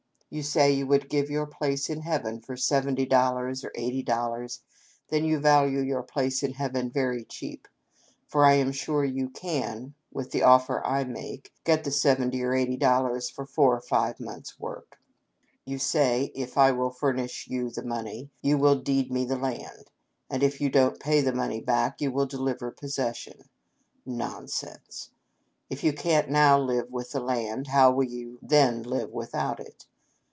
You say you would give your place in heaven for $70 or $80. Then you value your place in heaven very cheap, for I am sure you can, with the offer I make, get the seventy or eighty dollars for four or five months' work. " You say, if I will furnish you the money, you will deed me the land, and if you don't pay the money back you will deliver possession. Nonsense ! If you can't now live with the land, how will you then live without it